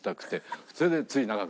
それでつい長く。